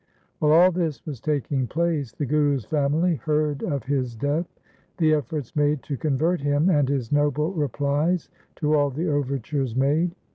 While all this was taking place, the Guru's family heard of his death, the efforts made to convert him, and his noble replies to all the overtures made.